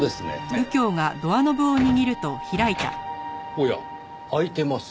おや開いてます。